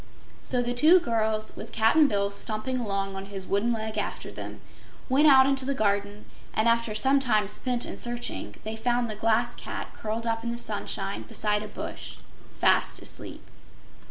So the two girls, with Cap'n Bill stumping along on his wooden leg after them, went out into the garden, and after some time spent in searching, they found the Glass Cat curled up in the sunshine beside a bush, fast sleep.